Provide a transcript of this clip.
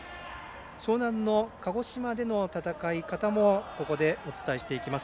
樟南の鹿児島での戦い方もここでお伝えしていきます。